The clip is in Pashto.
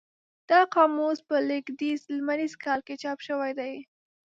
دا قاموس په لېږدیز لمریز کال کې چاپ شوی دی.